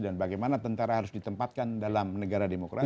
dan bagaimana tentara harus ditempatkan dalam negara demokrasi